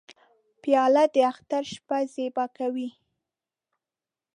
پیاله د اختر شپه زیبا کوي.